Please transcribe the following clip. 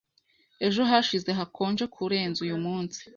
Ejo hashize hakonje kurenza uyumunsi.